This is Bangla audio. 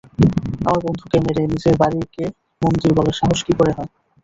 আমার বন্ধুকে মেরে নিজের বাড়িকে মন্দির বলার সাহস কি করে হয়!